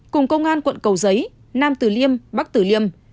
cùng công an quận cầu giấy nam tử liêm bắc tử liêm